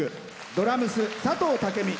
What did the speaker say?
ドラムス、佐藤武美。